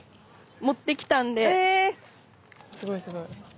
すごいすごい。